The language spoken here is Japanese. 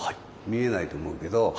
見えないと思うけど。